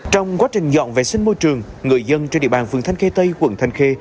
trong quá trình dọn vệ sinh môi trường người dân trên địa bàn phường thanh khê tây quận thanh khê